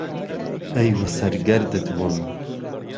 ئهی وه سهرگهردت وم